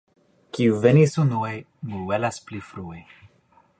Kiu venis unue, muelas pli frue.